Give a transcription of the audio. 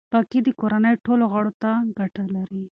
پاکي د کورنۍ ټولو غړو ته ګټه لري.